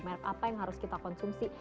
merek apa yang harus kita konsumsi